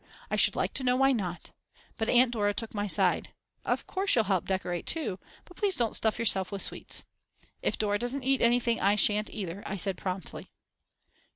I should like to know why not. But Aunt Dora took my side. "Of course she'll help decorate too; but please don't stuff yourselves with sweets." "If Dora doesn't eat anything I shan't either," said I promptly.